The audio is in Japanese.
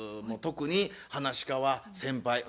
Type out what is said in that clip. もう特にはなし家は先輩。